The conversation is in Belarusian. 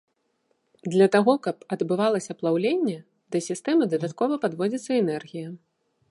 Для таго, каб адбывалася плаўленне, да сістэмы дадаткова падводзіцца энергія.